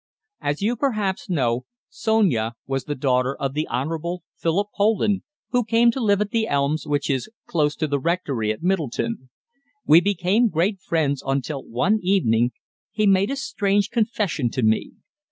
As you perhaps know, Sonia was the daughter of the Honourable Philip Poland, who came to live at the Elms, which is close to the rectory at Middleton. We became great friends, until one evening he made a strange confession to me.